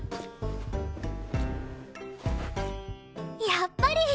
やっぱり！